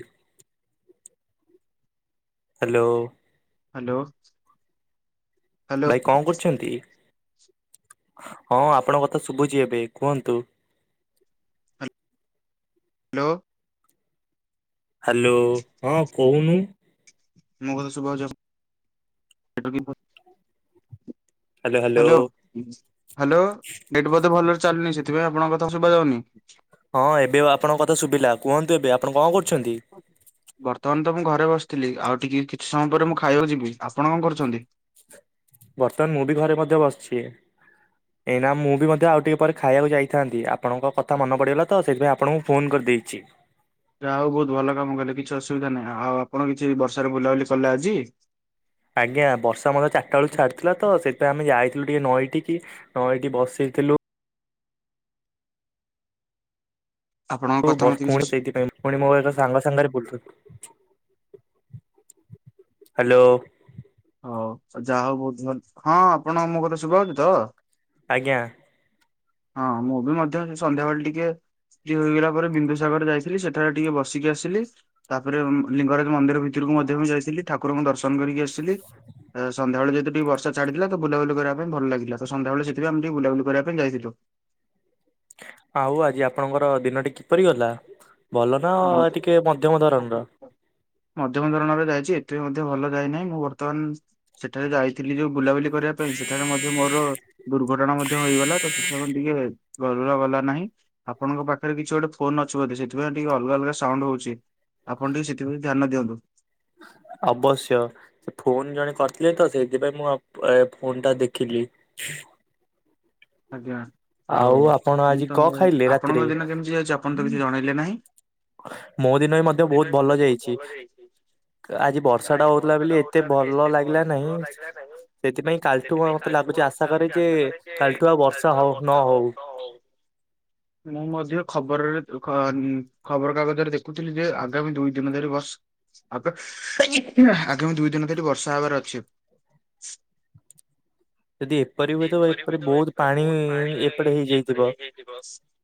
ଏକଠ [unintelligible] hello. Hello. ଭାଇ କଣ କରୁଛନ୍ତି ହଁ ଆପଣଙ୍କ କଥା ଶୁଭୁଚି ଏବେ କୁହନ୍ତୁ? ହାଲୋ। ହାଲୋ ହଁ କହୁନୁ୍। ମୋ କଥା ଶୁଭା ଯାଉଛି ଆ [unintelligible] ହାଲୋ ହାଲୋ ନେଟ ବୋଧେ ଭଲରେ ଚାଲୁନି ସେଥିପାଇଁ ଆପଣଙ୍କ କଥା ଶୁଭା ଯାଉନି। ହଁ ଏବେ ଅ ଆପଣଙ୍କ କଥା ଶୁଭିଲା କୁହନ୍ତୁ ଏବେ ଆପଣ କଣ କରୁଛନ୍ତି? ବର୍ତ୍ତମାନ ତ ମୁଁ ଘରେ ବସିଥିଲି ଆଉ ଟିକେ କିଛି ସମୟ ପରେ ମୁଁ ଖାଇବାକୁ ଯିବି ଆପଣ କଣ କରୁଛନ୍ତି? ବର୍ତ୍ତମାନ ମୁଁ ବି ଘରେ ମଧ୍ୟ ବସିଛି। [unintelligible] ଏଇନା ମୁଁ ବି ମଧ୍ୟ ଆଉ ଟିକେ ପରେ ଖାଇବାକୁ ଯାଇଥାନ୍ତି ଆପଣଙ୍କ କଥା ମନ ପଡ଼ିଗଲା ତ ସେଥିପାଇଁ ଆପଣଙ୍କୁ ଫୋନ୍ କରିଦେଇଛି। ଯାହା ହୋଉ ବୋହୁତ ଭଲ କାମ କଲେ କିଛି ଅସୁବିଧା ନାହିଁ ଆ ଆଉ ଆପଣ କିଛି ବର୍ଷାରେ ବୁଲାବୁଲି କଲେ ଆଜି? ଆଜ୍ଞା ବର୍ଷା ମଧ୍ୟ ଚାରଟା ବେଳୁ ଛାଡ଼ିଥିଲା ତ ସେଥିପାଇଁ ଆମେ ଯାଇଥିଲୁ ଟିକେ ନଈଠିକି ହଁ ଏଇଠି ବସିଇଥିଲୁ। ଉ ବସ୍ ପୁଣି ସେଇଥିପାଇଁ। ପୁଣି ମୋର ଏକ ସାଙ୍ଗ ସାଙ୍ଗରେ ବୁଲୁଥିଲୁ ହାଲୋ। ହଉ ତ ଯାହା ହଉ ବୋହୁତ ଭଲ ହଁ ଆପଣଙ୍କୁ ମୋ କଥା ଶୁଭା ଯାଉଛି ତ? ଆଜ୍ଞା। ହଁ ମୁଁ ବି ମଧ୍ୟ ସେ ସନ୍ଧ୍ୟାବେଳେ ଟିକେ କ୍ଲିଅର ହେଇଗଲା ପରେ ବିନ୍ଦୁସାଗର ଯାଇଥିଲି ସେଠାରେ ଟିକେ ବସିକି ଆସିଲି। ତାପରେ ଉଁ ଲିଙ୍ଗରାଜ ମନ୍ଦିର ଭିତରକୁ ମଧ୍ୟ ମୁଁ ଯାଇଥିଲି ଠାକୁରଙ୍କୁ ଦର୍ଶନ କରିକି ଆସିଲି। ଆ ସନ୍ଧ୍ୟାବେଳେ ଯେହେତୁ ଟିକେ ବର୍ଷା ଛାଡି଼ଥିଲା ତ ବୁଲାବୁଲି କରିବା ପାଇଁ ଭଲ ଲାଗିଲା ତ ସନ୍ଧ୍ୟାବେଳେ ସେଥିପାଇଁ ଆମେ ଟିକେ ବୁଲାବୁଲି କରିବା ପାଇଁ ଯାଇଥିଲୁ। ଆଉ ଆଜି ଆପଣଙ୍କର ଦିନଟି କିପରି ଗଲା? ଭଲ ନା ଟିକେ ମଧ୍ୟମ ଧରଣର? ମଧ୍ୟମ ଧରଣରେ ଯାଇଛି ଏତେ ମଧ୍ୟ ଭଲ ଯାଇନାହିଁ ମୁଁ ବର୍ତ୍ତମାନ ସେଠାରେ ଯାଇଥିଲି ଯୋଉ ବୁଲାବୁଲି କରିବା ପାଇଁ ସେଠାରେ ମଧ୍ୟ ମୋର ଦୁର୍ଘଟଣା ମଧ୍ୟ ହେଇଗଲା ତ ସେଥିପାଇଁ ମୁଁ ଟିକେ ଭଲରେ ଗଲା ନାହିଁ ଆପଣଙ୍କ ପାଖରେ କିଛି ଗୋଟେ ଫୋନ ଅଛି ବୋଧେ ସେଥିପାଇଁ ଟିକେ ଅଲଗା ଅଲଗା ସାଉଣ୍ଡ ହଉଛି ଆପଣ ଟିକେ ସେଥିପ୍ରତି ଧ୍ୟାନ ଦିଅନ୍ତୁ। ଅବଶ୍ୟ। ସେ ଫୋନ ଜଣେ କରିଥିଲେ ତ ସେଇଥିପାଇଁ ମୁଁ ଅପ୍ ଏ ଫୋନ ଟା ଦେଖିଲି। ଆଜ୍ଞା ଆଉ ମୁଁ ତ ଆପଣଙ୍କ ଦିନ କେମିତି ଯାଇଛି ଆପଣ ତ କିଛି ଜଣେଇଲେ ନାହିଁ? ମୋ ଦିନ ବି ମଧ୍ୟ ବୋହୁତ ଭଲ ଯାଇଛି। କା ଆଜି ବର୍ଷା ଟା ହୋଉଥିଲା ବୋଲି ଏତେ ଭଲ ଲାଗିଲା ନାହିଁ। ସେଥିପାଇଁ କାଲିଠୁ ମ-ମତେ ଲାଗୁଛି ଆଶା କରେ ଯେ କାଲିଠୁ ଆଉ ବର୍ଷ ମୁଁ ମଧ୍ୟ ଖବରରେ ଦୁଃଖ ନି ଖବର କାଗଜରେ ଦେଖୁଥିଲି ଯେ ଆଗାମୀ ଦୁଇ ଦିନ ଧରି ବସ୍ ଆଗ ଆଗାମୀ ଦୁଇ ଦିନ ଧରି ବର୍ଷା ହବାର ଅଛି। [inaudible] ଯଦି ଏପରି ହୁଏ ତ ଏପରି ବୋହୁତ ପାଣି ଏପଟେ ହେଇଯାଇଥିବ। [unintelligible]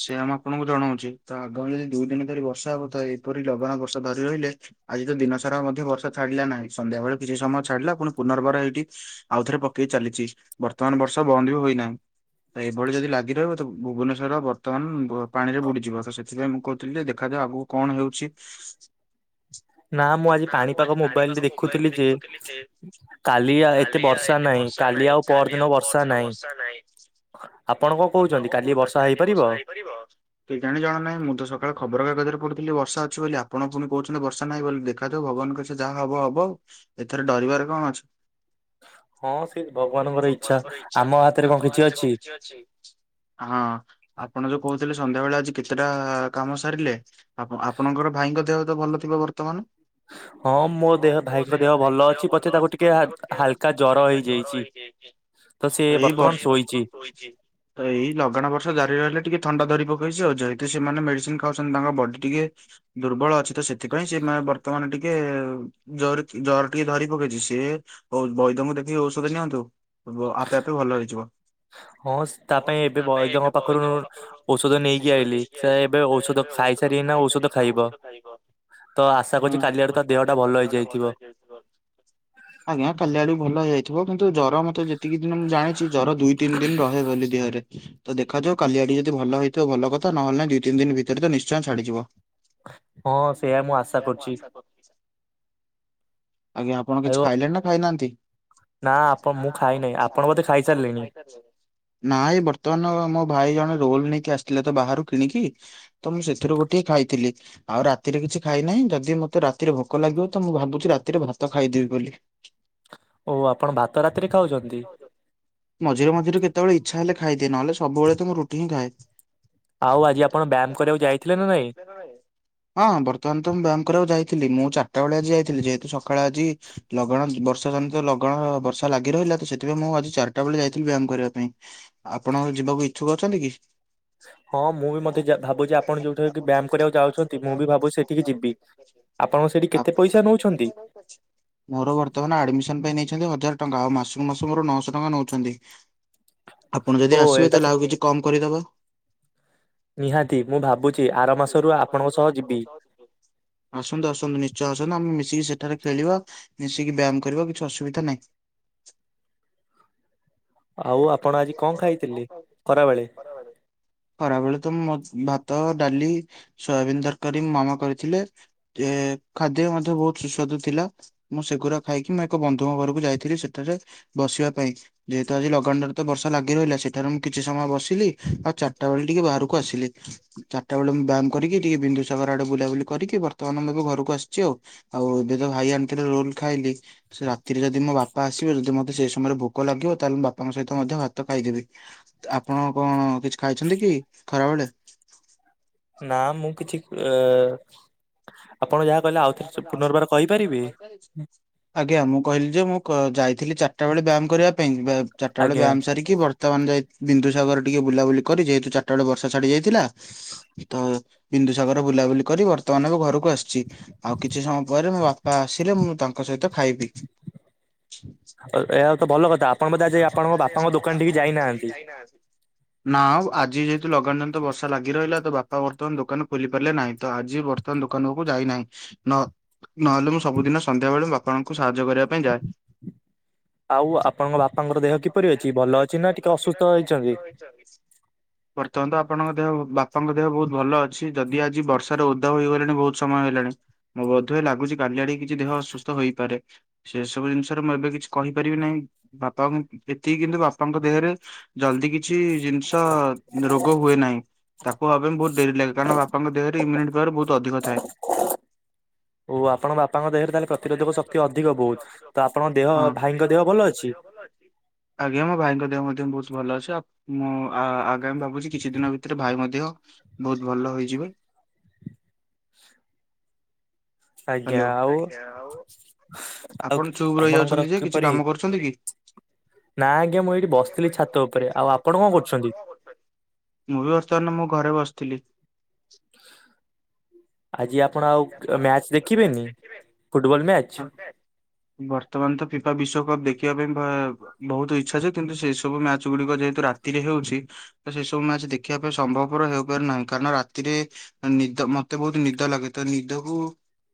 ସେୟା ମୁଁ ଆପଣଙ୍କୁ ଜଣୋଉଛି ତ ଆଗାମୀ ଯଦି ଦୁଇ ଦିନି ଧରି ବର୍ଷା [unintelligible] ଏହିପରି ଲଗାଣ ବର୍ଷା ଧରି ରହିଲେ ଆଜି ତ ଦିନ ସାରା ମଧ୍ୟ ବର୍ଷା ଛଡିଲା ନାହିଁ ସନ୍ଧ୍ୟାବେଳେ କିଛି ସମୟ ଛାଡିଲା ପୁଣି ପୁନର୍ବାର ଏଇଠି ଆଉଥରେ ପକେଇ ଚାଲିଚି ବର୍ତ୍ତମାନ ବଷ [unintelligible] ବନ୍ଦ ବି ହୋଇନାହିଁ ଏଭଳି ଯଦି ଲାଗି ରହିବ ତ ଭୁବନେଶ୍ୱର ବର୍ତ୍ତମାନ ବୁ ପାଣି ରେ ବୁଡିଯିବ ତ ସେଥିପାଇଁ ମୁଁ କୋହୁଥିଲି ଦେଖାଯାଉ ଆଗୁକୁ କଣ ହେଉଛି। ନା ମୁଁ ଆଜି ପାଣିପାଗ ମୋବାଇଲ [unintelligible] ଦେଖୁଥିଲି ଯେ କାଲି ଆଉ ଏତେ ବର୍ଷା ନାହିଁ। କାଲି ଆଉ [unintelligible] ର୍ଷା ନାଇଁ ଆପଣ କଁ କୋହୁଚନ୍ତି କାଲି ବର୍ଷା ହେଇପାରିବ। ପାରିବ। କେଜାଣି ଜଣା ନାହିଁ ମୁଁ ତ ସକାଳେ ଖବରକାଗଜ ରେ ପଢୁଥିଲି ବର୍ଷା ଅଛି ବୋଲି ଆପଣ ପୁଣି କୋହୁଛନ୍ତି ବର୍ଷା ନାହିଁ ବୋଲି ଦେଖ୍ ଖା ଯାଉ ଭଗବାନଙ୍କ ଇଚ୍ଛା ଯାହା ହବ ହବ ଅଔ ଏଥେରେ ଡରିବାରେ କଁ ଅଛି। ହଁ [unintelligible] ଭଗବାନଙ୍କର ଇଚ୍ଛା ଆମ ହାତରେ କଁ କିଛି ଅଛି। [unintelligible] ହଁ ଆପଣ ଯୋଉ କୋହୁଥୁଲେ ସନ୍ଧ୍ୟା ବୋଳେ ଆଜି କେତେଟା କାମ ସାରିଲେ। ଆପ ଆପଣଙ୍କର ଭାଇଙ୍କ ଦେହ ତ ଭଲ ଥିବ ବର୍ତ୍ତମାନ। ହଁ ମୋ ଦେହ ଭାଇଙ୍କ ଦେହ ଭଲ ଅଛି [unintelligible] ହାଲକା ଜର ହେଇଯାଇଚି। ଏଇ ତ ଏଇ ଲଗାଣ ବର୍ଷ ଜାରି ରହିଲେ ଟିକେ ଥଣ୍ଡା ଧରି ପକେଇଚି ଆଉ ଯେହେତୁ ସେମାନେ ମେଡିସିନ ଖାଉଛନ୍ତି ତାଙ୍କ ବଡି ଟିକେ ଦୁର୍ବଳ ଅଛି ତ ସେଥିପାଇଁ ସେ ମେ ବର୍ତ୍ତମାନ ଟିକେ ଜର ଜର ଟିକେ ଧରି ପକେଇଚି ସିଏ [unintelligible] ବୈଦଙ୍କୁ ଦେଖେଇକି ଔଷଧ ନିଅନ୍ତୁ। [unintelligible] ଆପେ ଆପେ ଭଲ ହେଇଯିବ। [unintelligible] ଏବେ ବୈଦଙ୍କ ପାଖୁରୁ ଔଷଧ ନେଇକି ଆଇଲି ତ ଏବେ ଔଷ ଦ ଖାଇ ସାରିକି ଏଇନା ଔଷଧ ଖାଇିବ। ତ ଆଶା କରୁଚି କାଲି ଆଡୁ ତ ଦେହଟା ଭଲ ହେଇଯାଇଥିବ। ଆଜ୍ଞା କାଲି ଆଡୁକୁ ଭଲ ହେଇଯାଇଥିବ କିନ୍ତ ଜର ତ ଯେତିକି ଦିନ ମୁଁ ଜାଣିଛି ଜର ଦୁଇ ତିନି ଦିନ ରହେ ବେଲି ଦିହରେ। ତ ଦେଖାଯାଉ କାଲି ଆଡିକି ଯଦ ଭଲ ହେଇଥିବ ଭଲ କଥା ନହଲ ନାଇଁ ଦିଇ ତିନି ଦିନ ଭିତରେ ତ ନିଶ୍ଚୟ ଛାଡିଯିବ। ହଁ ସେୟା ମୁଁ ଆଶା କରୁଚି। ଆଜ୍ଞା ଆପଣ କିଛି ଖାଇଲେଣି ନା ଖାଇନାହାନ୍ତି। ନା ନା [unintelligible] ଖାଇନେଇ ଆପଣ ବୋଧେ ଖାଇସାରିଲେଣି। ନାଇଁ ବର୍ତ୍ତମାନ ମୋ ଭାଇ ଜଣେ ରୋଲ୍ ନେଇକି ଆସିଥିଲେ ତ ବାହାରୁ କିଣିକି ତ ମୁଁ ସେଥୁରୁ ଗୋଟିଏ ଖାଇଥିଲି। ଆଉ ରାତିରେ କିଛି ଖାଇନାହିଁ ଯଦି ମତେ ରାତିରେ ଭୋକୋ ଲାଗିବ ତ ମୁଁ ଭାବୁଛି ରାତିରେ ଭାତ ଖାଇଦେବି ବୋଲି। ଓ ଆପଣ ଭାତ ରାତିରେ ଖାଉଛନ୍ତି। ମଝିରେ ମଝିରେ କେତୋବୋଳେ ଇଚ୍ଛା ହେଲେ ଖାଇଦିଏ ନହଲେ ସବୁବୋଳେ ତ ମୁଁ ରୁଟି ହି ଖାଏ। ଆଉ ଆଜି ଆପଣ ବ୍ୟାୟାମ କରିବାକୁ ଯାଇଥିଲେ ନା ନାଇଁ। [unintelligible] ହଁ ବର୍ତମାନ ତ ମୁଁ ବ୍ୟାୟାମ କରିବାକୁ ଯାଇଥିଲି ମୁଁ ଚାର୍ଟା ବୋଳେ ଆଜି ଯାଇଥିଲି ଯେହେତୁ ସକାଳେ ଆଜି ଲଗାଣ ବର୍ଷା ଜନିତ ତ ଲଗାଣ ବର୍ଷା ଲାଗି ରହିଲା ତ ସେଥିପାଇଁ ମୁଁ ଆଜି ଚାରିଟା ବୋଳେ ଯାଇଥିଲି ବ୍ୟାୟାମ କରିବା ପାଇଁ। ଆପଣ [unintelligible] ଯିବାକୁ ଇଚ୍ଛୁକ ଅଛନ୍ତି କି। ହଁ ମୁଁ ବି ମତେ ଜା ଭାବୁଚି ଆପଣ ଯୋଉଠା କି ବ୍ୟାୟାମ କରିବାକୁ ଯାଉଛନ୍ତି ମୁଁ ବି ଭାବୁଛି ସେଠିକି ଯିବି। ଆପଣଙ୍କ ସେଟି କେତେ ପଇସା ନୋଉଛନ୍ତି। ମୋର ବର୍ତ୍ତମାନ ଆଡମିଶନ୍ ପାଇଁ ନେଇଛନ୍ତି ହଜାର ଟଙ୍କା ଆଉ ମାସୁକୁ ମାସ ମୋରୋ ନଅଶହ ଟଙ୍କା ନୋଉଛନ୍ତି ଆପଣ ଯଦି ଆସିବେ ତାହେଲେ ଆଉ କିଛି କମ୍ କରିଦବ। ନିହାତି ମୁଁ ଭାବୁଚି ଆର ମାସରୁ ଆପଣଙ୍କ ସହ ଯିବି। ଆସନ୍ତୁ ଆସନ୍ତୁ ନିଶ୍ଚୟ ଆସନ୍ତୁ ଆମେ ମିଶିକି ସେଠାରେ ଖେଳିବା ମିଶିକି ବ୍ୟାୟାମ କରିବା କିଛି ଅସୁବିଧା ନାହିଁ। ଆଉ ଆପଣ ଆଜି କଁ ଖାଇଥିଲେ ଖରାବେଳେ। ଖରା ବେଳେ ତ ମତ୍ ଭାତ ଡାଲି ସୋୟାବିିନ ତରକାରୀ ମୋ ମାମା କରିଥିଲେ। ଏ ଖାଦ୍ୟ ମଧ୍ୟ ବହୁତ ସୁସ୍ୱାଦୁ ଥିଲା ମୁଁ ସେଗୁରା ଖାଇକି ମୁଁ ଏକ ବନ୍ଧୁଙ୍କ ଘରକୁ ଯାଇି। ଥିଲି ସେଠାରେ ବସିବା ପାଇଁ। ଯେହେତୁ ଆଜି ଲଗାଣ ଟାରେ ତ ବର୍ଷା ଲାଗି ରହିଲା ସେଠାରେ ମୁଁ କିଛି ସମୟ ବସିଲି ଆଉ ଚାରିଟା ବେଳେ ଟିକେ ବାହାରକୁ ଆସିଲି। ଚାରିଟା ବେଳେ ମୁଁ ବୟାମ କରିକି ଟିକେ ବିନ୍ଦୁ ସାଗର ଆଡେ ବୁଲାବୁଲି କରିକି ବର୍ତ୍ତମାନ ମୁଁ ଏବେ ଘରକୁ ଆସୁଛି ଆଉ। ଆଉ ଏବେ ତ ଭାଇ ଆଣିଥିଲ ରୋଲ ଖାଇଲି ସେ ରାତିରେ ଯଦି ମୋ ବା ବାପା ଆସିବେ ଯଦି ମତେ ସେଇ ସମୟରେ ଭୋକ ଲାଗିବ ତାହେଲେ ମୁଁ ବାପଙ୍କ ସହିତ ମଧ୍ୟ ଭାତ ଖାଇଦେବି। ଆପଣ କଣ କିଛି ଖାଇଛନ୍ତି କି ଖରା ବେଳେ। ନା ମୁଁ କିଛି ଏ ଆପଣ ଯାହା। [inaudible] ଆଜ୍ଞା ମୁଁ କହିଲି ଯେ ମୁଁ କ ଯାଇଥିଲି ଚାରିଟା ବେଳେ ବ୍ୟାୟାମ କରିବା ପାଇଁ ବେ ଚାରିଟା ବେଳେ ବ୍ୟାୟାମ ସାରିକି ବ ର୍ତ୍ତମାନ ଯାଇ ବିନ୍ଦୁସାଗର ଟିକେ ବୁଲାବୁଲି କରି ଯେହେତୁ ଚାରିଟା ବେଳେ ବର୍ଷା ଛାଡି ଯାଇଥିଲା ତ। ବିନ୍ଦୁସାଗର ରେ ବୁଲାବୁଲି କରି ବର୍ତ୍ତମାନ ଏବେ ଘରକୁ ଆସୁଛି। ଆଉ କିଛି ସମୟ ପରେ ମୋ ବାପା ଆସିଲେ ମୁଁ ତାଙ୍କ ସହିତ ଖାଇବି। ଆଉ ଏହା ହଉଚି ତ ଭଲ କଥା ଆପଣ ବୋଧେ ଆଜି ଆପଣଙ୍କ ବାପାଙ୍କ ଦୋକାନ ଟିକି ଯାଇନାହାନ୍ତି। [inaudible] ନା ଆଉ ଆଜି ଯେହେତୁ ଲଗାଣ ଜନିତ ବର୍ଷା ଲାଗି ରହିଲା ତ ବାପା ବର୍ତ୍ତମାନ ଦୋକାନ ଖୋଲି ପାରିଲେ ନାହିଁ ତ ଆଜି ବ ବର୍ତ୍ତମାନ ଦୋକାନକୁ ଯାଇନାହିଁ ନ ନହେଲେ ମୁଁ ସବୁଦିନ ସନ୍ଧ୍ୟା ବେଳେ ବାପାଙ୍କୁ ସାହାଯ୍ୟ କରିବା ପାଇଁ। ଯାଏ। ଆଉ ଆପଣଙ୍କ ବାପାଙ୍କର ଦେହ କିପରି ଅଛି ଭଲ ଅଛି ନା ଟିକେ ଅସୁସ୍ଥ ହେଇଛନ୍ତି। [unintelligible] ବର୍ତ୍ତମାନ ତ ଆପଣଙ୍କ ଦେହ ବାପାଙ୍କ ଦେହ ବହୁତ ଭଲ ଅଛି ଯଦି ଆଜି ବର୍ଷାରେ ଓଦା ହୋଇ ଗଲେଣି ବହୁତ ସମୟ ହେଲାଣି ବୋଧୁଏ ଲାଗୁଛି କାଲି ଆଡ଼ିକି କିଛି ଦେହ ଅସୁସ୍ଥ ହୋଇପାରେ। ସେସବୁ ଜିନିଷ ରେ ମୁଁ ଏବେ କିଛି କହିପାରିବି ନାହିଁ ବାପା ଙ୍କୁ ଏତିକି କିନ୍ତୁ ବାପାଙ୍କ ଦେହରେ। ଜଲଦି କିଛି ଜିନିଷ ରୋଗ ହୁଏ ନାହିଁ। ତାଙ୍କୁ ହବା ପାଇଁ ବହୁତ ଡେରି ଲାଗେ କାରଣ ବାପଙ୍କ ଦେହରେ ୟୁମୁନିଟି ପାୱାର ବହୁତ ଅଧିକ ଥାଏ। ଓ ଆପଣ ବା ବାପାଙ୍କ ଦେହରେ ତାହେଲେ ପ୍ରତିରୋଧକ ଶକ୍ତି ଅଧିକ ବହୁତ ତ ଆପଣଙ୍କ ଦେହ ଭାଇଙ୍କ ଦେହ ଭଲ ଅଛି। ଆଜ୍ଞା ମୋ ଭାଇଙ୍କ ଦେହ ମଧ୍ୟ ବହୁତ ଭଲ ଅଛି ଆଉ। ମୁଁ ଆ ଆଗାମୀ ଭାବୁଛି କିଛି ଦିନ ଭିତରେ ଭାଇ ମଧ୍ୟ ବହୁତ ଭଲ ହୋଇଯିବେ। ଆଜ୍ଞା ଆଉ। ଆଉ ଆପଣଙ୍କର କିପରି। ନା ଆଜ୍ଞା ମୁଁ ଏଇଠି ବସିଥିଲି ଛାତ ଉପରେ ଆଉ ଆପଣ କଣ କରୁଛନ୍ତି। ମୁଁ ବି ବର୍ତ୍ତମାନ ମୋ ଘରେ ବସିଥିଲି। ଆଜି ଆପଣ ଆଉ ମ୍ୟାଚ ଦେଖିବେନି ଫୁଟବଲ ମ୍ୟାଚ। ବର୍ତ୍ତମାନ ତ ଫିଫା ବିଶ୍ଵକପ୍ ଦେଖିବା ପାଇଁ ଭା ବହୁତ ଇଚ୍ଛା ଯେ କିନ୍ତୁ ସେଇ ସବୁ ମ୍ୟାଚ ଗୁଡିକ ଯେହେତୁ ରାତିରେ ହେଉଛି। ତ ସେ ସବୁ ମ୍ୟାଚ ଦେଖିବା ପାଇଁ ସମ୍ଭବପର ହେଇ ପାରୁନାହିଁ କାରଣ ରାତିରେ। ନିଦ ମତେ ବହୁତ ନିଦ ଲାଗେ ତ ନିଦକୁ।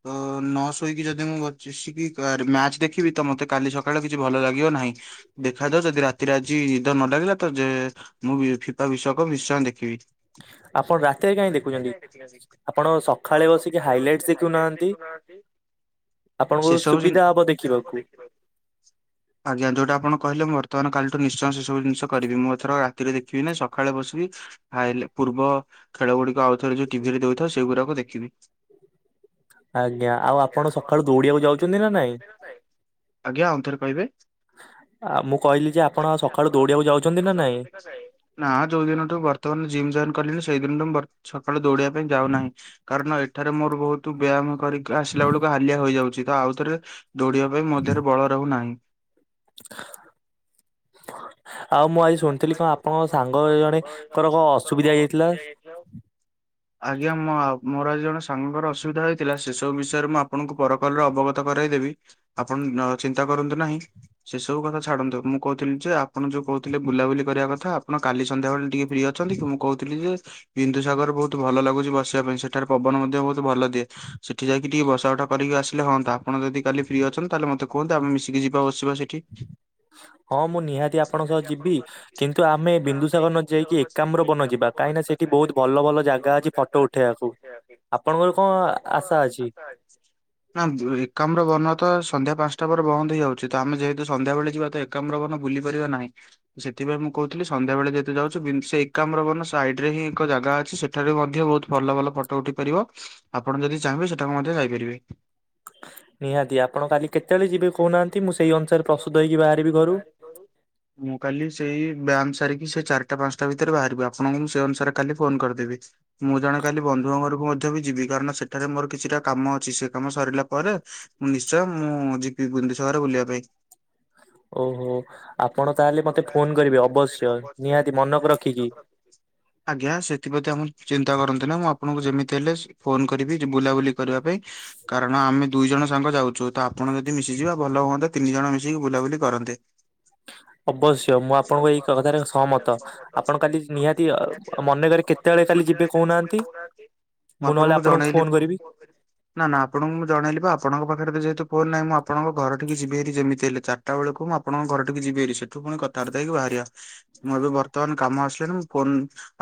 ତ ନ ଶୋଇକି ଯଦି ମୁଁ ବଚିଶିକି ମ୍ୟାଚ ଦେଖିବି ତ ମତେ କାଲି ସକାଳେ କିଛି ଭଲ ଲାଗିବ ନାହିଁ। ଦେଖା ଯାଉ ଯଦି ରାତିରେ ଆଜି ନିଦ ନ ଲାଗିଲା ତ ଯେ। ମୁଁ ବି ଫିଫା ବିଶ୍ୱାକପ୍ ନିଶ୍ଚୟ ଦେଖିବି। ଆପଣ ରାତିରେ କାହିଁ ଦେଖୁଛନ୍ତି ଆପଣ ସକାଳେ ବସିକି। ହାଇଲାଇଟସ୍ ଦେଖୁ ନାହାନ୍ତି ଆପଣଙ୍କୁ ସୁବିଧା ହବ ଦେଖିବାକୁ। [inaudible] ଆଜ୍ଞା ଯୋଉଟା ଆପଣ କହିଲେ ମୁଁ ବର୍ତ୍ତମାନ କାଲିଠୁ ନିଶ୍ଚୟ ସେ ସବୁ ଜିନିଷ କରିବି ମୁଁ ଏଥର ରାତିରେ ଦେଖିବି ନାଁଇ ସକାଳେ ବସିବି। ଆଇଲେ ପୂର୍ବ ଖେଳ ଗୁଡିକ ଆଉ ଥରେ ଯୋଉ ଟିଭି ରେ ଦୋଉଥାଏ ସେଇଗୁଡାକ ଦେଖିବି। ଆଜ୍ଞା ଆଉ ଆପଣ ସକାଳୁ ଦୌଡ଼ିିବାକୁ ଯାଉଛନ୍ତି ନା ନାଇଁ? ଆଜ୍ଞା ଆଉ ଥରେ କହିବେ? ଆ ମୁଁ କହିଲି ଯେ ଆପଣ ସକାଳୁ ଦୌଡିବାକୁ ଯାଉଛନ୍ତି ନା ନାଇଁ? ନା ଯୋଉ ଦିନଠୁ ବର୍ତ୍ତମାନ ଜିମ୍ ଜଏନ୍ କଲିଣି ସେଇଦିନଠୁ ସକାଳୁ ଦୌଡିବା ପାଇଁ ଯାଉନାହିଁ। କାରଣ ଏଠାରେ ମୋର ବହୁତ ବ୍ୟାୟାମ କରିକି ଆସିଲା ବେଳକୁ ହାଲିଆ ହୋଇଯାଉଛି। ତ ଆଉ ଥରେ ଦୌଡ଼ିବା ପାଇଁ ମୋ ଦେହରେ ବଳ ରହୁନାହିଁ। ଆଉ ମୁଁ ଆଜି ଶୁଣିଥିଲି କଣ ଆପଣଙ୍କ ସାଙ୍ଗ ଜଣେଙ୍କର କଣ ଅସୁବିଧା ହେଇଯାଇଥିଲା? ଆଜ୍ଞା ମୁଁ ଆଉ ମୋର ଆଜି ଜଣେ ସାଙ୍ଗଙ୍କର ଅସୁବିଧା ହେଇଥିଲା ସେସବୁ ବିଷୟରେ ମୁଁ ଆପଣଙ୍କୁ ପରକଲ୍ ରେ ଅବଗତ କରାଇଦେବି। ଆପଣ ଚିନ୍ତା କରନ୍ତୁ ନାହିଁ। ସେ ସବୁ କଥା ଛାଡନ୍ତୁ। ମୁଁ କହୁଥିଲି ଯେ ଆପଣ ଯୋଉ କହୁ ଥିଲେ ବୁଲାବୁଲି କରିବା କଥା ଆପଣ କାଲି ସନ୍ଧ୍ୟାବେଳେ ଟିକେ ଫ୍ରି ଅଛନ୍ତି କି ମୁଁ କହୁଥିଲି ଯେ ବିନ୍ଦୁସାଗର ବହୁତ ଭଲ ଲାଗୁଛି ବସିବା ପାଇଁ। ସେଠାରେ ପବନ ମଧ୍ୟ ବହୁତ ଭଲ ଦିଏ। ସେଠି ଯାଇକି ଟିକେ ବସା ଉଠା କରିକି ଆସିଲେ ହୁଅନ୍ତା। ଆପଣ ଯଦି କାଲି ଫ୍ରି ଅଛନ୍ତି ତାହେଲେ ମତେ କୁହନ୍ତୁ। ଆମେ ମିଶିକି ଯିବା ବସିବା ସେଠି। ହଁ ମୁଁ ନିହାତି ଆ ଆପଣ ସହ ଯିବି। କିନ୍ତୁ ଆମେ ବିନ୍ଦୁସାଗର ନ ଯାଇକି ଏକାମ୍ର ବନ ଯିବା। କାହିଁକିନା ସେଠି ବହୁତ ଭଲ ଭଲ ଜାଗା ଅଛି। ଜାଗା ଅଛି ଫଟ ଉଠେଇବା ପାଇଁ। [unintelligible] ନା ଏକାମ୍ର ବନ ତ ସନ୍ଧ୍ୟା ପାଞ୍ଚଟା ପରେ ବନ୍ଦ ହେଇଯାଉଛି। ତ ଆମେ ଯେହେତୁ ସନ୍ଧ୍ୟାବେଳେ ଯିବା ତ ଏକାମ୍ରବନ ବୁଲି ପାରିବା ନାହିଁ। ସେଥିପାଇଁ ମୁଁ କହୁଥିଲି ସଧ୍ୟା ବେଳେ ଯେତେ ଯାଉଛି ସେ ଏକାମ୍ରବନ ସାଇଡ ରେ ହିଁ ଏକ ଜାଗା ଅଛି। ସେଇଠି ସେଠାରୁ ମଧ୍ୟ ବହୁତ ଭଲ ଭଲ ଫଟୋ ଉଠି ପାରିବ ଆପଣ ଯଦି ଚାହିଁବେ ସେଠାକୁ ମଧ୍ୟ ଯାଇପାରିବେ। ନିହାତି ଆପଣ କାଲି କେତେବେଳେ ଯିବେ କହୁନାହାନ୍ତି ମୁଁ ସେଇ ଅନୁସାରେ ପ୍ରସ୍ତୁତ ହେଇକି ବାହାରିବି ଘରୁ। ମୁଁ କାଲି ସେଇ ବ୍ୟାୟାମ ସାରିକି ସେ ଚାରିଟା ପାଞ୍ଚଟା ଭିତରେ ବାହାରିବି। ଆପଣଙ୍କୁ ମୁଁ ସେ ଅନୁସାରେ କାଲି ଫୋନ୍‌ କରିଦେବି। ମୁଁ ଜଣେ କାଲି ବନ୍ଧୁ ଘରକୁ ମଧ୍ୟ ବି ଯିବି। କାରଣ ସେଠାରେ ମୋର କିଛିଟା କାମ ଅଛି। ସେ କାମ ସରିଲା ପରେ ମୁଁ ନିଶ୍ଚୟ ମୁଁ ଯିବି ବିନ୍ଦୁ ସାଗର ବୁଲିବା ପାଇଁ। ଓହୋ ଆପଣ ତାହେଲେ ମତେ ଫୋନ କରିବେ ଅବଶ୍ୟ ନିହାତି ମନକ ରଖିକି। ଆଜ୍ଞା ସେଥିପ୍ରତି ଆମ ଚିନ୍ତା କରନ୍ତୁନି। ମୁଁ ଆପଣଙ୍କୁ ଯେମିତି ହେଲେ ଫୋନ୍‌ କରିବି ବୁଲାବୁଲି କରିବା ପାଇଁ। କାରଣ ଆମେ ଦୁଇ ଜଣ ସାଙ୍ଗ ଯାଉଛୁ। ତ ଆପଣ ଯଦି ମିଶିଯିବା ଭଲ ହୁଅନ୍ତା। ତିନି ଜଣ ମିଶିକି ବୁଲାବୁଲି କରନ୍ତେ। ଅବଶ୍ୟ ମୁଁ ଆପଣଙ୍କୁ ଏଇ କଥାରେ ସହମତ। ଆପଣ କାଲି ନିହାତି ମନେକରେ କେ ମୁଁ ଆପଣଙ୍କୁ ଜଣେଇଲିି। ନା ନା ଆପଣଙ୍କୁ ଜଣେଇଲି ପା ଆପଣଙ୍କ ପାଖରେ ତ ଯେହେତୁ ଫୋନ୍ ନାହିଁ ମୁଁ ଆପଣଙ୍କୁ ଘର ଟିକି ଯିବି ହାରି ଯେମିତି ହେଲେ ଚାରିଟା ବେଳକୁ ମୁଁ ଆପଣଙ୍କ ଘର ଟିକି ଯିବି ହାରି। ସେଠୁ ପୁଣି କଥାବାର୍ତ୍ତା ହେଇ ବାହାରିବା। ମୁଁ ଏବେ ବର୍ତ୍ତମାନ କାମ ଆସିଲଣିି ମୁଁ ଫୋନ୍‌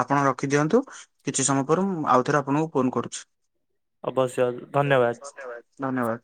ଆପଣ ରଖିଦିଅନ୍ତୁ। କିଛି ସମୟ ପରେ ମୁଁ ଆଉଥରେ ଆପଣଙ୍କୁ ଫୋନ କରୁଛି। ଧନ୍ୟବାଦ ଧନ୍ୟବାଦ।